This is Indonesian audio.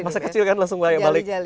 masa kecil kan langsung balik